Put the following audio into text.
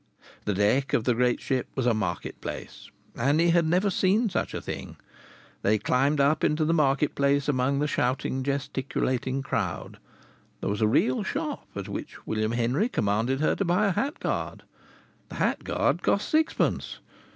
The deck of the great ship was like a market place. Annie had never seen such a thing. They climbed up into the market place among the shouting, gesticulating crowd. There was a real shop, at which William Henry commanded her to buy a hat guard. The hat guard cost sixpence.